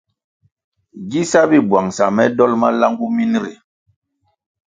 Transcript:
Gi sá bi buangsa me dol malangu min ri.